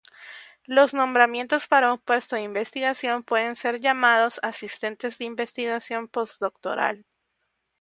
Los nombramientos para un puesto de investigación pueden ser llamados "asistentes de investigación postdoctoral".